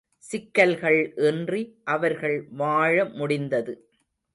சிக்கல்கள் இன்றி அவர்கள் வாழ முடிந்தது.